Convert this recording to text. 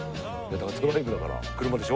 ドライブだから車でしょ。